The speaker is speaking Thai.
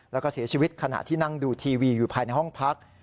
แล้วก็เสียชีวิตขณะที่นั่งดูทีวีอยู่ภายในห้องพัก